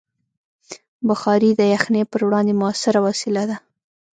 بخاري د یخنۍ پر وړاندې مؤثره وسیله ده.